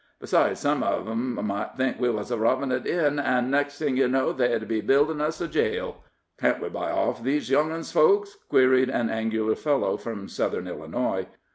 Besides, some uv 'em might think we wuz rubbin' uv it in, an' next thing you know'd they'd be buildin' us a jail." "Can't we buy off these young uns' folks?" queried an angular fellow from Southern Illinois.